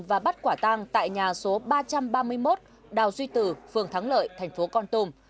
và bắt quả tang tại nhà số ba trăm ba mươi một đào duy tử phường thắng lợi thành phố con tum